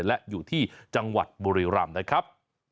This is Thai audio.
และอยู่ที่จังหวัดบุรีรำนะครับ